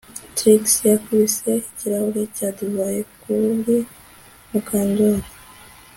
Trix yakubise ikirahure cya divayi kuri Mukandoli